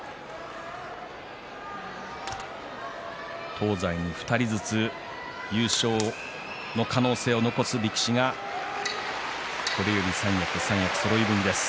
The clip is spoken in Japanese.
東西に２人ずつ優勝の可能性を残す力士がこれより三役そろい踏みです。